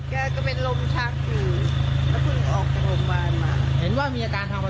ไม่ได้กินแล้วช่วงนี้ไม่ได้กินแล้ว